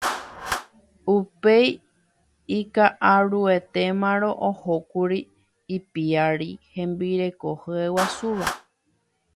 Upéi ika'aruetémarõ ohókuri ipiári hembireko hyeguasúva.